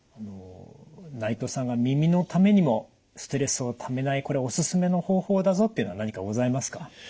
内藤さんが耳のためにもストレスをためないこれおすすめの方法だぞっていうのは何かございますか。